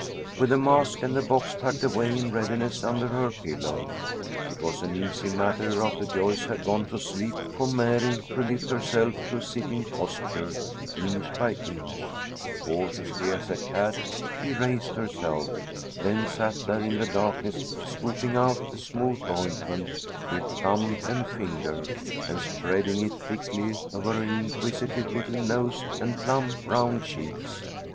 With the mask and the box tucked away in readiness under her pillow, it was an easy matter after Joyce had gone to sleep for Mary to lift herself to a sitting posture, inch by inch. Cautiously as a cat she raised herself, then sat there in the darkness scooping out the smooth ointment with thumb and finger, and spreading it thickly over her inquisitive little nose and plump round cheeks.